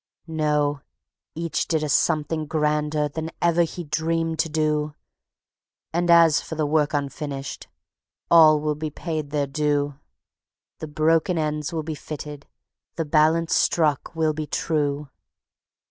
No, each did a Something Grander than ever he dreamed to do; And as for the work unfinished, all will be paid their due; The broken ends will be fitted, the balance struck will be true.